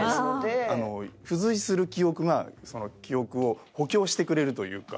付随する記憶が記憶を補強してくれるというか。